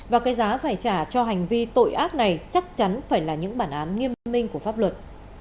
và cái giá phải trả cho hành vi tội ác này chắc chắn phải là những bản án nghiêm minh của pháp luật